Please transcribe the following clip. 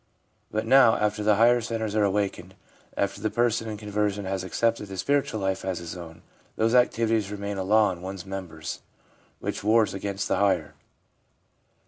But now after the higher centres are awakened, after the person in conversion has accepted the spiritual life as his own, those activities remain a law in one's members which wars against the higher.